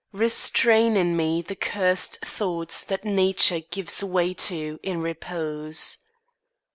Restrain in me the cursed thoughts that nature Gives way to in repose.